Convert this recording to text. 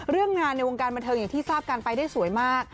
เรื่องงานในวงการบันเทิงอย่างที่ทราบกันไปได้สวยมาก